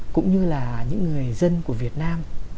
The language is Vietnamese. cũng như là những người dân của việt nam